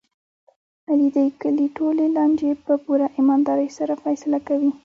علي د کلي ټولې لانجې په پوره ایماندارۍ سره فیصله کوي.